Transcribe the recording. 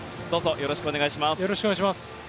よろしくお願いします。